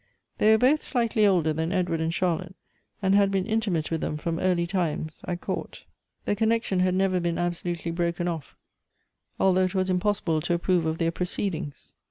They were both slightly older than Edward and Char lotte, and had been intimate with them from early times at court. The connection had never been absolutely broken off, although it was impossible to approve of their proceedings.